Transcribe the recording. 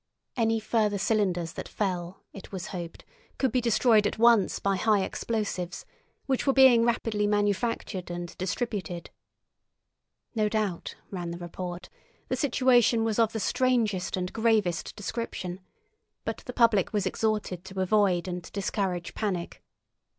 Any further cylinders that fell, it was hoped, could be destroyed at once by high explosives, which were being rapidly manufactured and distributed. No doubt, ran the report, the situation was of the strangest and gravest description, but the public was exhorted to avoid and discourage panic.